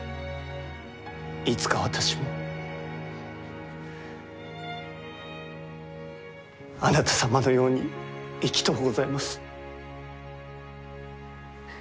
いつか私もあなた様のように生きとうございます。